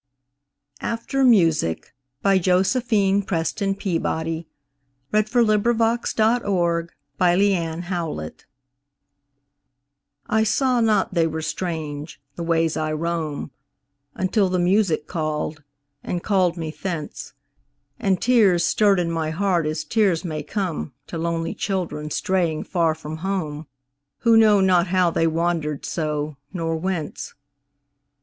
87–1900. 1900. By Josephine PrestonPeabody 1671 After Music I SAW not they were strange, the ways I roam, Until the music called, and called me thence, And tears stirred in my heart as tears may comeTo lonely children straying far from home, Who know not how they wandered so, nor whence.